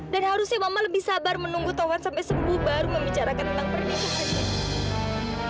dan harusnya mama lebih sabar menunggu taufan sampai sembuh baru membicarakan tentang pernikahan